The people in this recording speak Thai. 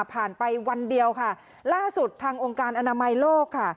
ไปวันเดียวค่ะล่าสุดทางองค์การอนามัยโลกค่ะ